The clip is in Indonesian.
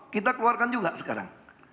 kita keluarkan juga sekarang